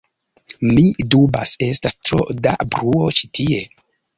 Mi dubas, estas tro da bruo ĉi tie